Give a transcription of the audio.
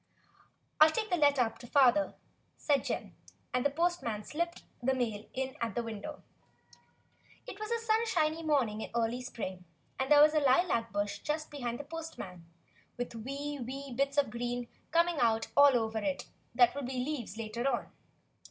"I'll take the letter up to father," said Jim; and the postman slipped the mail in at the window. It was a sunshiny morning in early spring, and there was a lilac bush just behind the postman with wee, wee bits of green coming out all over it that would be leaves later on.